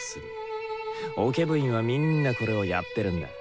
オケ部員はみんなこれをやってるんだ。